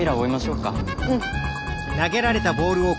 うん。